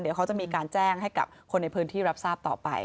เดี๋ยวเขาจะมีการแจ้งให้กับคนในพื้นที่รับทราบต่อไป